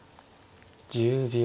１０秒。